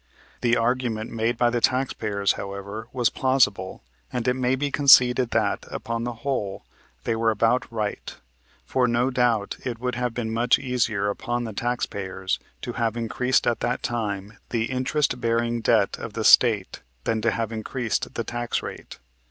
The argument made by the taxpayers, however, was plausible and it may be conceded that, upon the whole, they were about right; for no doubt it would have been much easier upon the taxpayers to have increased at that time the interest bearing debt of the State than to have increased the tax rate.